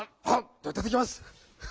ではいただきます！